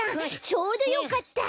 ちょうどよかった。